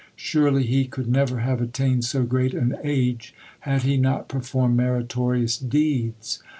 Surely he could never have attained so great an age, had he not performed meritorious deeds."